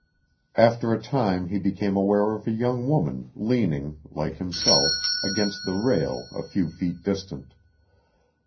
After a time he became aware of a young woman leaning, like himself, against the rail a few feet distant.